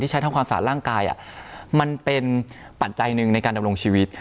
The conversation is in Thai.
ใช้ทำความสะอาดร่างกายมันเป็นปัจจัยหนึ่งในการดำรงชีวิต